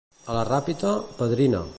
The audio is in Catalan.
A la Ràpita, padrina.